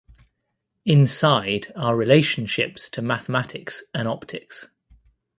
Inside are relationships to mathematics and optics.